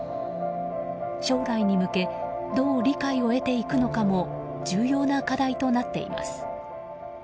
将来に向けどう理解を得ていくのかも重要な課題となっています。